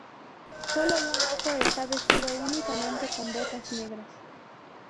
Solo un Ojo está vestido únicamente con botas negras.